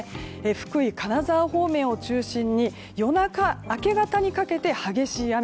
福井、金沢方面を中心に夜中、明け方にかけて激しい雨。